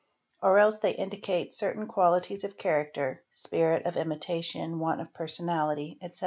or else they indicate certain qualities of character (spirit of imitation, want of personality, etc.)